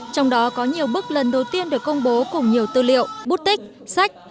trong đó có nhiều bức lần đầu tiên được công bố cùng nhiều tư liệu bút tích sách